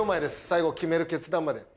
最後決める決断まで。